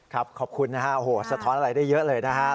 ขอบคุณนะฮะโอ้โหสะท้อนอะไรได้เยอะเลยนะฮะ